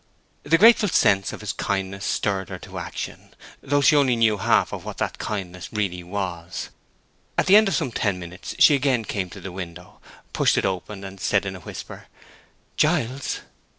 The grateful sense of his kindness stirred her to action, though she only knew half what that kindness really was. At the end of some ten minutes she again came to the window, pushed it open, and said in a whisper, "Giles!"